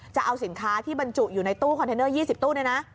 จะเอาสินค้าที่บรรจุอยู่ในตู้คอนเทนเนอร์๒๐ตู้เนี่ยนะ